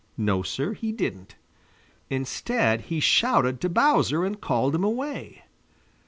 No, Sir, he didn't. Instead he shouted to Bowser and called him away.